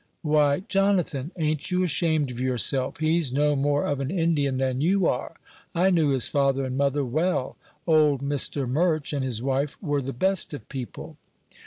"Why, Jonathan, ain't you ashamed of yourself? he's no more of an Indian than you are. I knew his father and mother well; old Mr. Murch and his wife were the best of people."